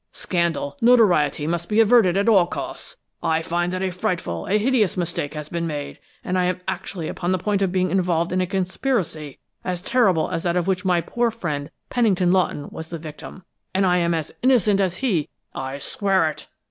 Scandal, notoriety must be averted at all costs! I find that a frightful, a hideous mistake has been made, and I am actually upon the point of being involved in a conspiracy as terrible as that of which my poor friend Pennington Lawton was the victim! And I am as innocent as he! I swear it!"